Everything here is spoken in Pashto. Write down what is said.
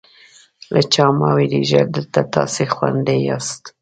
له چا مه وېرېږئ، دلته تاسې خوندي یاست.